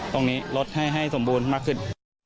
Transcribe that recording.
ตรงนี้ลดให้สมบูรณ์มาขึ้น